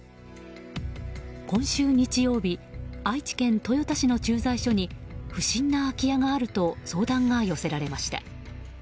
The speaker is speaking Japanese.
今週日曜日愛知県豊田市の駐在所に不審な空き家があると相談が寄せられました。